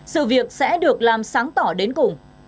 sự việc sẽ được làm sáng tỏ đến cùng